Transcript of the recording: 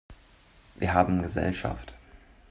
Wir haben Gesellschaft!